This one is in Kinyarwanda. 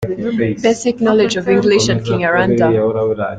Basic knowledge of English and Kinyarwanda.